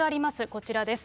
こちらです。